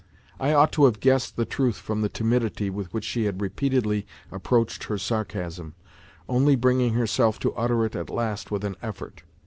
I ought to have guessed the truth from the timidity with which she had repeatedly approached her sarcasm, only bringing herself to utter it at last with an effort.